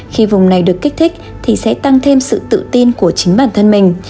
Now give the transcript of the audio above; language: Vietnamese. khi vùng này được kích thích thì sẽ tăng thêm sự tự tin của chính bản thân mình